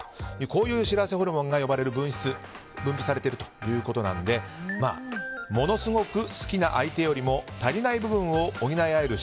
こういう幸せホルモンが分泌されているということなのでものすごく好きな相手よりも足りない部分を補い合える